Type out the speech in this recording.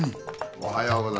おはようございます。